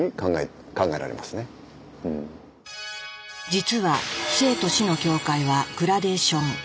実は生と死の境界はグラデーション。